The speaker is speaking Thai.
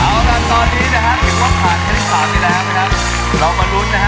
เห็นว่าผ่านชั้นอีกสามทีแล้วครับเดี๋ยวนะครับเรามาดูนะฮะ